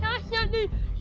baik bangun nih